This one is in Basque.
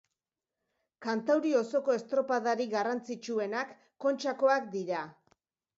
Kantauri osoko estropadarik garrantzitsuenak Kontxakoak dira.